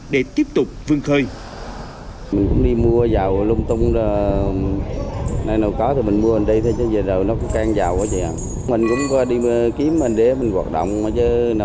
để tiếp tục vương khơi